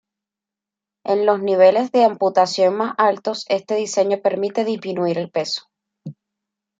En los niveles de amputación más altos este diseño permite disminuir el peso.